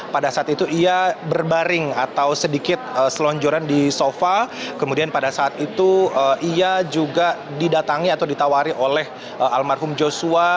pada saat itu ia berbaring atau sedikit selonjoran di sofa kemudian pada saat itu ia juga didatangi atau ditawari oleh almarhum joshua